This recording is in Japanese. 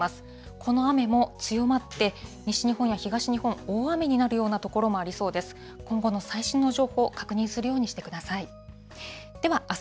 この雨も強まって、西日本や東日本、大雨になるような所もありそうです。